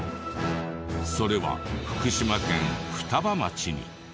それは福島県双葉町に。